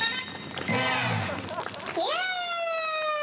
イエイ！